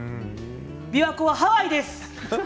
琵琶湖はハワイです！